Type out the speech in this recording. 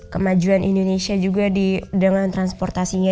kemajuan indonesia juga dengan transportasinya